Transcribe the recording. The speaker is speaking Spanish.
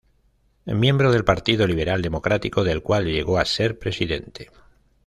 Miembro del Partido Liberal Democrático, del cual llegó a ser Presidente.